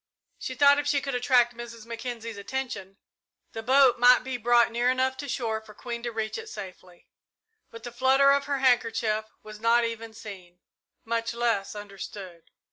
She thought if she could attract Mrs. Mackenzie's attention, the boat might be brought near enough to shore for Queen to reach it safely, but the flutter of her handkerchief was not even seen, much less understood.